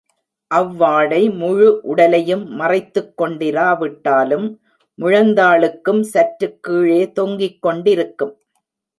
அவ்வாடை முழு உடலையும் மறைத்துக்கொண்டிரா விட்டாலும் முழந்தாளுக்கும் சற்றுக் கீழே தொங்கிக் கொண்டிருக்கும்.